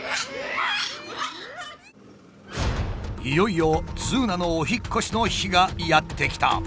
いよいよズーナのお引っ越しの日がやって来た。